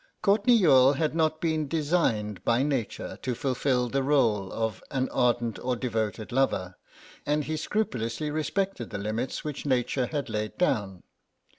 Courtenay Youghal had not been designed by Nature to fulfil the rôle of an ardent or devoted lover, and he scrupulously respected the limits which Nature had laid down.